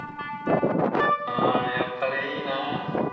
あやっぱりいいな。